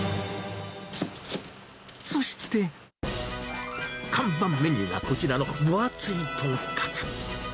そして、看板メニューはこちらの分厚い豚カツ。